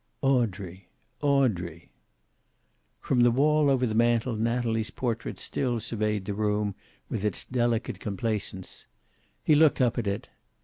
Audrey! Audrey! From the wall over the mantel Natalie's portrait still surveyed the room with its delicate complacence. He looked up at it.